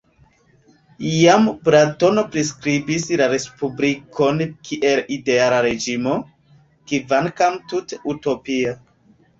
Jam Platono priskribis la respublikon kiel ideala reĝimo, kvankam tute utopia.